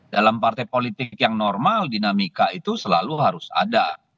dalam partai politik yang normal dinamika itu selalu harus ada